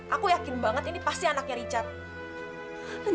aku yakin banget ini pasti anaknya richard